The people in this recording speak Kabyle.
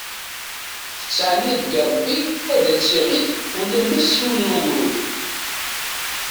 Tettɛenni deg Rebbi ad tt-i-iɣit ulamma s yiwen n ugrud.